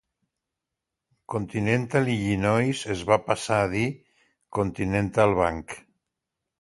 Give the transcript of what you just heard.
Continental Illinois es va passar a dir Continental Bank.